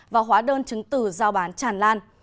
và hóa đơn chứng từ giao bán tràn lan